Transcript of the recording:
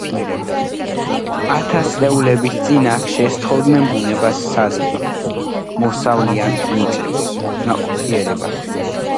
ათასწლეულების წინ აქ შესთხოვდნენ ბუნებას საზრდოს, მოსავლიან მიწებს, ნაყოფიერებას.